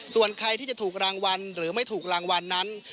ส่วนใครที่จะถูกรางวัลหรือไม่ถูกรางวัลนั้น